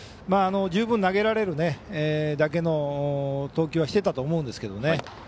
十分投げられるだけの投球はしていたと思うんですけどね。